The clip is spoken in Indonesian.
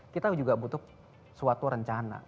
kita juga butuh suatu rencana